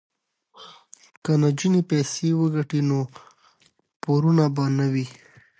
که نجونې پیسې وګټي نو پورونه به نه وي.